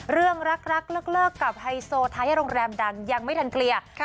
เรื่องรักเลิกกับไฮโซไทยโรงแรมดังยังไม่ทันเคลียร์